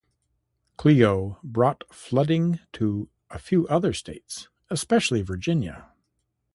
Cleo brought flooding to a few other states, especially Virginia.